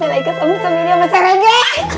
saya naik ke sam sam ini sama serege